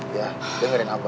iya dengerin apa